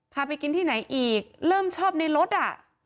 พาไปกินที่ไหนอีกเริ่มชอบในรถอ่ะ